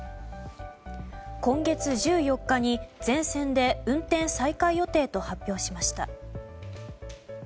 今月１４日に全線で運転再開予定と発表しました。